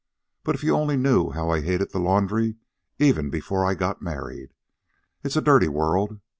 But if you only knew how I hated the laundry even before I got married. It's a dirty world.